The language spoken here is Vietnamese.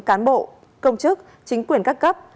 cán bộ công chức chính quyền các cấp